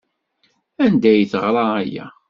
Anda ay teɣra aya?